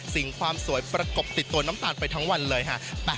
สิ่งความสวยประกบติดตัวน้ำตาลไปทั้งวันเลยค่ะ